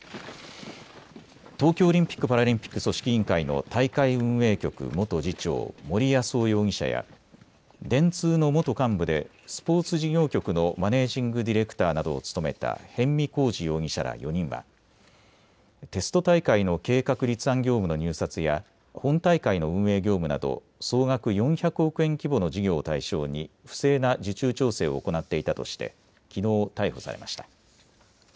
東京オリンピック・パラリンピック組織委員会の大会運営局元次長、森泰夫容疑者や電通の元幹部でスポーツ事業局のマネージング・ディレクターなどを務めた逸見晃治容疑者ら４人はテスト大会の計画立案業務の入札や本大会の運営業務など総額４００億円規模の事業を対象に不正な受注調整を行っていたとしてきのう逮捕されました。